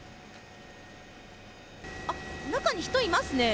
あっ、中に人いますね。